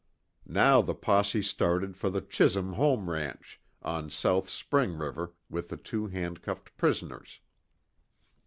Now the posse started for the Chisum home ranch, on South Spring river, with the two handcuffed prisoners.